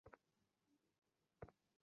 সর্ববিধ আশীর্বাদ নিরন্তর আপনাকে ঘিরে থাকুক।